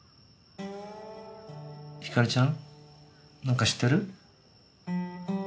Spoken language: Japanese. ひかりちゃん何か知ってる？